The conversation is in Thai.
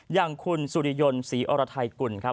อย่างคุณสุริยนต์ศรีอรไทยกุลครับ